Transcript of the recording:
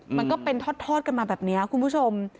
มันก็เป็นทอดกันมาแบบนี้คุณผู้ชม